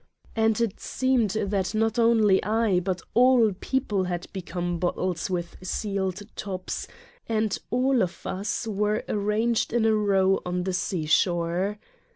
And it seemed that not only I but all people had become bottles with sealed tops and all of us were arranged in a row on a seashore.